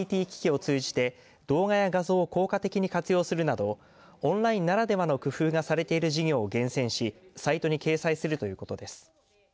ＩＣＴ機器を通じて動画や画像を効果的に活用するなどオンラインならではの工夫がされている授業を厳選しサイトに掲載するということです。